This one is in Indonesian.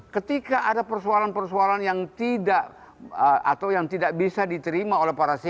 ketika ada persoalan persoalan yang tidak bisa diterima oleh para sejarah